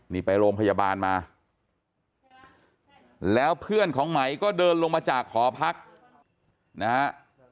นี่ไปโรงพยาบาลมาแล้วเพื่อนของไหมก็เดินลงมาจากหอพักนะฮะ